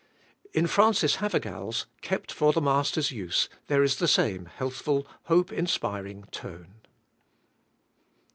In Frances HavergaPs Kept for the Master's Use there is the same healthful, hope inspiring tone.